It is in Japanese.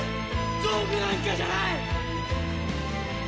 道具なんかじゃない！！